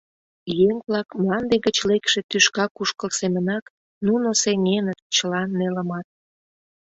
Еҥ-влак мланде гыч лекше тӱшка кушкыл семынак нуно сеҥеныт чыла нелымат.